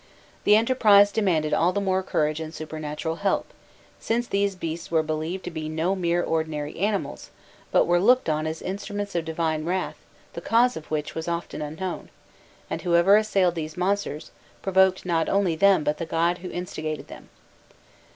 The enterprise demanded all the more courage and supernatural help, since these beasts were believed to be no mere ordinary animals, but were looked on as instruments of divine wrath the cause of which was often unknown, and whoever assailed these monsters, provoked not only them but the god who instigated them.